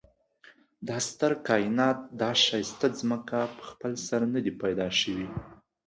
دا ستر کاينات دا ښايسته ځمکه په خپل سر ندي پيدا شوي